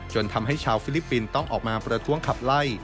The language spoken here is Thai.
ทำให้ชาวฟิลิปปินส์ต้องออกมาประท้วงขับไล่